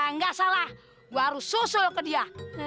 nggak salah gua harus susul ke dia